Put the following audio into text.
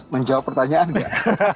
menjawab pertanyaan gak